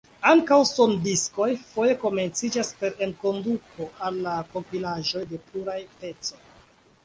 Ankaŭ sondiskoj foje komencas per enkonduko al la kompilaĵo de pluraj pecoj.